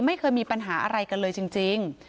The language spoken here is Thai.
ไม่เคยมีปัญหาอะไรกันเลยจริง